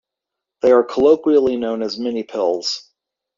They are colloquially known as mini pills.